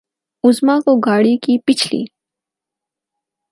اعظمی کو گاڑی کی پچھلی